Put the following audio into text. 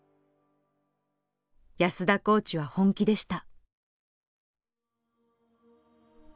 安田コーチは本気でした。